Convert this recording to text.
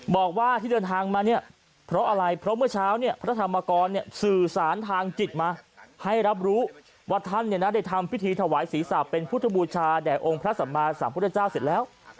บอกว่าที่เดินทางมาเนี่ยเพราะอะไรเพราะเมื่อเช้าเนี่ยพระธรรมกรสื่อสารทางจิตมาให้รับรู้ว่าท่านได้ทำพิธีถวายศีรษะเป็นพุทธบูชาแด่องค์พระสัมมาสัมพุทธเจ้าเสร็จแล้ว